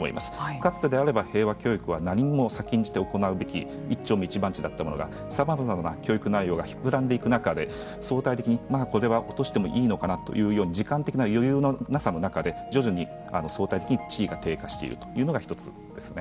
かつてであれば平和教育は何にも先んじて行うべき一丁目一番地だったものがさまざまな教育内容が膨らんでいく中で相対的にこれは落としてもいいのかなという時間的な余裕のなさの中で徐々に相対的に地位が低下しているというのが１つですね。